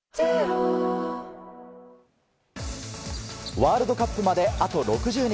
ワールドカップまであと６０日。